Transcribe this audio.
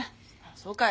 そうかい。